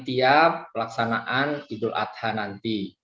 setiap pelaksanaan idul adha nanti